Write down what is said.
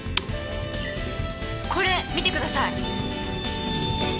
これ見てください。